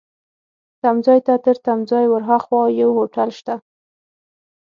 تمځای ته، تر تمځای ورهاخوا یو هوټل شته.